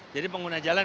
jadi pengguna jalan